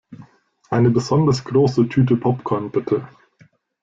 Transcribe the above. Eine besonders große Tüte Popcorn, bitte!